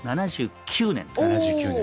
７９年。